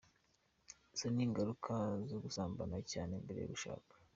Izo ni ingaruka zo gusambana cyane mbere yo gushaka.